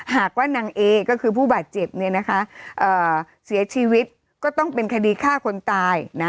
หากว่านางเอก็คือผู้บาดเจ็บเสียชีวิตก็ต้องเป็นคดีฆ่าคนตาย